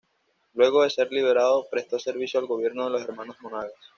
Luego de ser liberado prestó servicio al gobierno de los hermanos Monagas.